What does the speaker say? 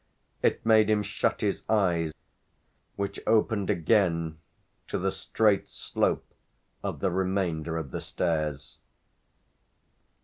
It made him shut his eyes which opened again to the straight slope of the remainder of the stairs.